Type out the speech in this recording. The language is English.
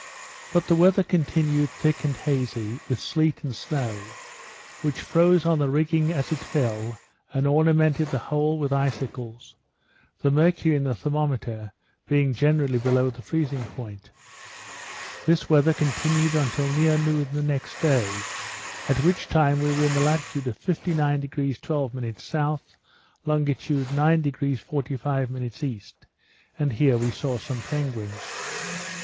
But the weather continued thick and hazy, with sleet and snow, which froze on the rigging as it fell, and ornamented the whole with icicles; the mercury in the thermometer being generally below the freezing point. This weather continued till near noon the next day; at which time we were in the latitude of 59° 12' S.; longitude 9° 45' E.; and here we saw some penguins.